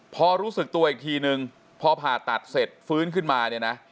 พอรู้สึกตัวอีกทีหนึ่งพอผ่าตัดเสร็จฟื้นขึ้นมา